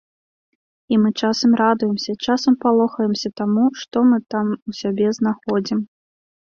І мы часам радуемся, часам палохаемся таму, што мы там у сябе знаходзім.